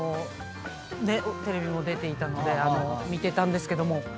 テレビも出ていたので見てたんですけども。